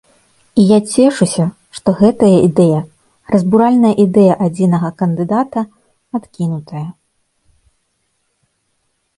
І я цешуся, што гэтая ідэя, разбуральная ідэя адзінага кандыдата, адкінутая.